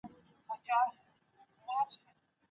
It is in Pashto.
ایا ته غواړې چي ستا مننه نورو ته خوشالي ورکړي؟